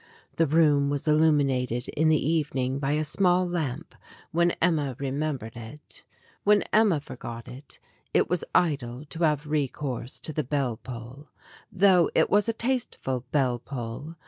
The room was illuminated in the evening by a small lamp when Emma remembered it. When Emma forgot it, it was idle to have recourse to the bell pull, though it was a tasteful bell pull.